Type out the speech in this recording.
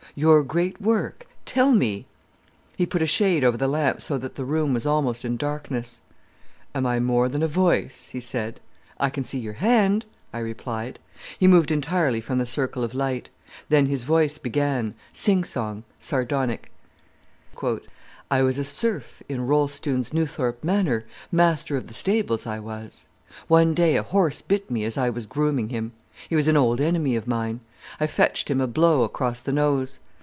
"Your great work? Tell me." He put a shade over the lamp so that the room was almost in darkness. "Am I more than a voice?" he asked. "I can see your hand," I replied. He moved entirely from the circle of light. Then his voice began, sing song, sardonic: "I was a serf in Rollestoun's Newthorpe Manor, master of the stables I was. One day a horse bit me as I was grooming him. He was an old enemy of mine. I fetched him a blow across the nose.